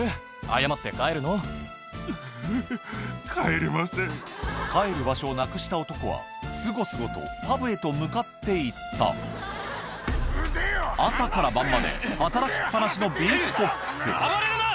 すると帰る場所をなくした男はすごすごとパブへと向かって行った朝から晩まで働きっ放しのビーチ・コップス暴れるな！